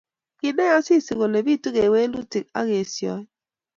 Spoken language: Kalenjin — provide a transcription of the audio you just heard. Kinai Asisi kole bitu kewelutik ak esioet